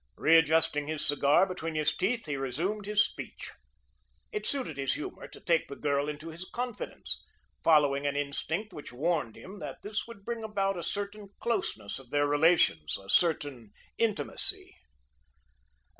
Readjusting his cigar between his teeth, he resumed his speech. It suited his humour to take the girl into his confidence, following an instinct which warned him that this would bring about a certain closeness of their relations, a certain intimacy.